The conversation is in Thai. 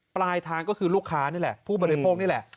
ปลายทางก็คือลูกค้านี่แหละผู้บริโภคนี่แหละ